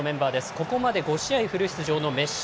ここまで５試合フル出場のメッシ。